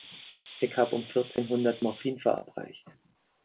Ich habe um vierzehn hundert Morphin verabreicht.